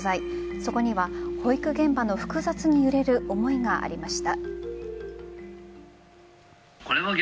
そこには保育現場の複雑に揺れる思いがありました。